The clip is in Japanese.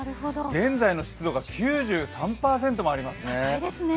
現在の湿度が９３％もありますね。